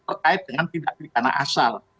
terkait dengan tindak pidana asal